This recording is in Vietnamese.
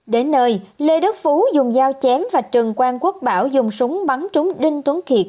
đến nơi lê đức phú dùng dao chém và trần quang quốc bảo dùng súng bắn trúng đinh tuấn kiệt